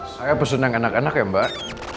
saya bersenang anak anak ya mbak